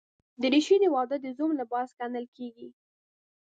دریشي د واده د زوم لباس ګڼل کېږي.